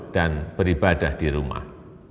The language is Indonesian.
dan beribadah di rumah